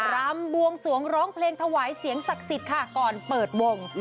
รำบวงสวงร้องเพลงถวายเสียงศักดิ์สิทธิ์ค่ะก่อนเปิดวง